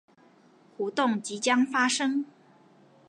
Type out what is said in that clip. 活動即將發生